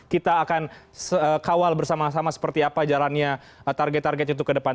kita akan kawal bersama sama seperti apa jalannya target targetnya untuk ke depan